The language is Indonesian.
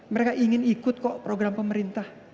mereka ingin ikut kok program pemerintah